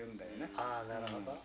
ああなるほど。